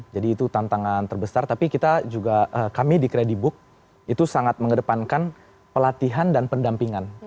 jadi itu tantangan terbesar tapi kita juga kami di kredibook itu sangat mengedepankan pelatihan dan pendampingan